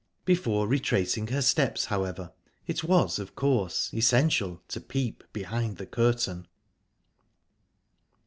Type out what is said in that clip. Before retracing her steps, however, it was of course essential to peep behind the curtain.